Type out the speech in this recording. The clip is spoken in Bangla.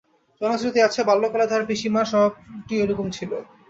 জনশ্রুতি আছে, বাল্যকালে তাহার পিসিমার স্বভাবটিও এইরূপ ছিল।